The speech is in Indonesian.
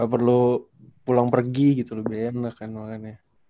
gak perlu pulang pergi gitu lu bener kan makanya